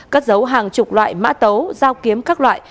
cất dấu hàng chục loại mã tấu dao kiếm các loại